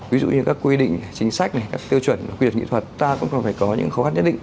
ví dụ như các quy định chính sách các tiêu chuẩn quyền nghị thuật ta cũng cần phải có những khó khăn nhất định